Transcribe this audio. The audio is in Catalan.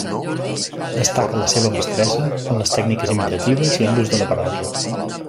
Destaca la seva mestressa en les tècniques imitatives i en l'ús de la paròdia.